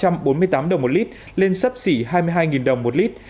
giá xăng e năm ron chín mươi tám đồng một lít lên sấp xỉ hai mươi hai đồng một lít